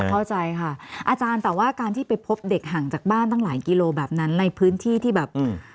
เข้าใจค่ะอาจารย์แต่ว่าการที่ไปพบเด็กห่างจากบ้านตั้งหลายกิโลแบบนั้นในพื้นที่ที่แบบอืม